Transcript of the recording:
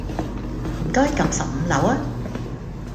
唔該㩒十五樓呀